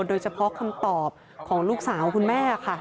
โดยเฉพาะคำตอบของลูกสาวคุณแม่ค่ะ